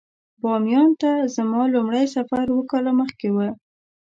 بامیان ته زما لومړی سفر اووه کاله مخکې و.